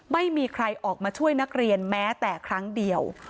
ไม่มีใครออกมาช่วยนักเรียนแม้แต่ครั้งเดียว